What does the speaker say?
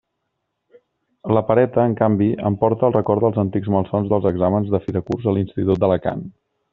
La pereta, en canvi, em porta al record els antics malsons dels exàmens de fi de curs a l'institut d'Alacant.